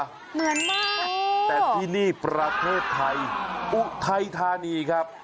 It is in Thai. เหมือนมากแต่ที่นี่ประเทศไทยอุทัยธานีครับ